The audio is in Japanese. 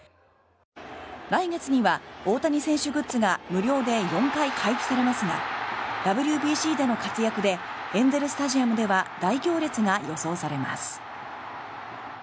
来月には大谷選手グッズが無料で４回配布されますがＷＢＣでの活躍でエンゼル・スタジアムでは大行列が予想されます。